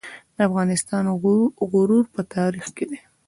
د افغانستان غرور په تاریخ کې دی